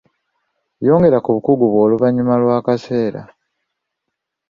Yongera ku bukugu bwo oluvannyuma lw'akaseera.